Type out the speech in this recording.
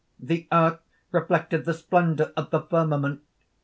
"The earth reflected the splendour of the firmament.